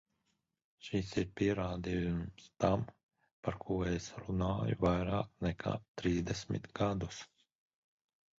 Šis ir pierādījums tam, par ko es runāju vairāk nekā trīsdesmit gadus.